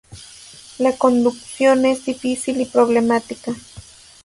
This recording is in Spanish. La conducción es difícil y problemática.